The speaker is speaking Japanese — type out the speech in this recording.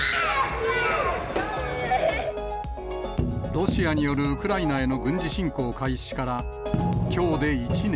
ロシアによるウクライナへの軍事侵攻開始から、きょうで１年。